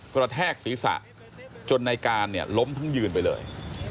กระแทกศีรษะจนในการเนี่ยล้มทั้งยืนไปเลย